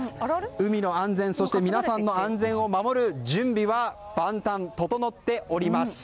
海の安全そして皆さんの安全を守る準備は万端、整っております。